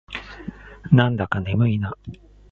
なんだか眠いな。